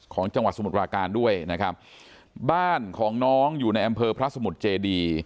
ของจังหวัดสมุทรปราการด้วยนะครับบ้านของน้องอยู่ในอำเภอพระสมุทรเจดี